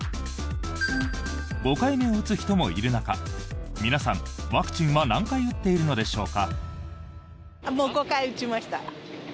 ５回目を打つ人もいる中皆さん、ワクチンは何回打っているのでしょうか？